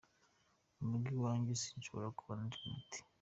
Mu rugo iwanjye sinshobora kubona internet….